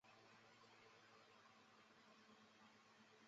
为晚会设计了新的装饰和舞台。